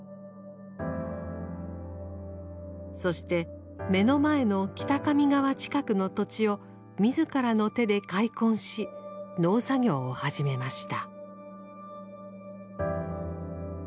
そして目の前の北上川近くの土地を自らの手で開墾し農作業を始めました。